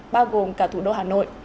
bao gồm cả thủ đô hà nội